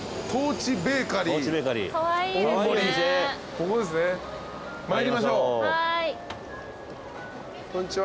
ここですね参りましょうこんにちは。